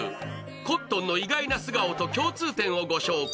コットンの意外な素顔と共通点をご紹介。